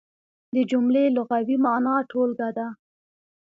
د جملې لغوي مانا ټولګه ده.